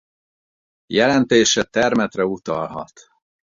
Jelentése termetre utalhat.